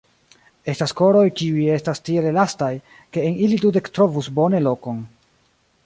Estas koroj, kiuj estas tiel elastaj, ke en ili dudek trovus bone lokon!